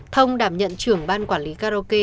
thông đảm nhận trưởng ban quản lý karaoke